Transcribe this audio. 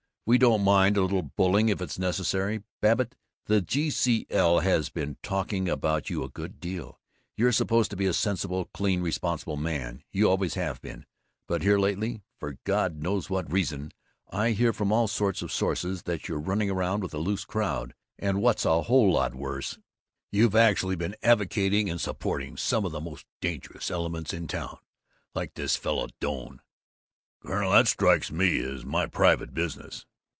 We don't mind a little bullying, if it's necessary. Babbitt, the G.C.L. has been talking about you a good deal. You're supposed to be a sensible, clean, responsible man; you always have been; but here lately, for God knows what reason, I hear from all sorts of sources that you're running around with a loose crowd, and what's a whole lot worse, you've actually been advocating and supporting some of the most dangerous elements in town, like this fellow Doane." "Colonel, that strikes me as my private business."